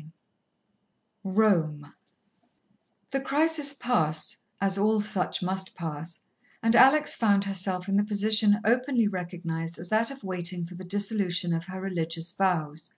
XXII Rome The crisis passed, as all such must pass, and Alex found herself in the position openly recognized as that of waiting for the dissolution of her religious vows.